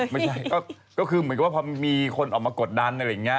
ไม่ใช่ก็คือเหมือนกับว่าพอมีคนออกมากดดันอะไรอย่างนี้